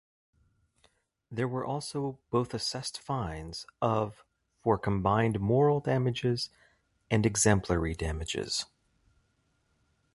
They were also both assessed fines of for combined "moral damages" and "exemplary damages".